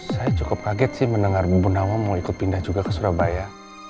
saya cukup kaget sih mendengar bunda mau ikut pindah juga ke surabaya